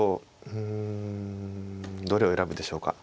うん。どれを選ぶでしょうか。